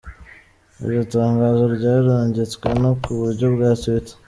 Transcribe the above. Iryo tangazo ryarungitswe no ku buryo bwa Twitter.